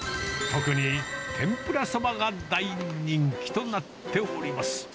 特に天ぷらそばが大人気となっております。